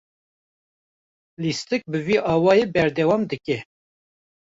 Lîstik bi vî awayî berdewam dike.